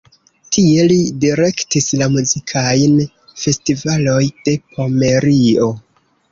Tie li direktis la muzikajn festivaloj de Pomerio.